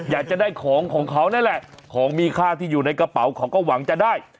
อยากจะได้ของของเขานั่นแหละของมีค่าที่อยู่ในกระเป๋าเขาก็หวังจะได้